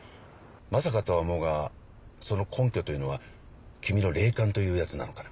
まさかとは思うがその根拠というのは君の霊感というやつなのかな？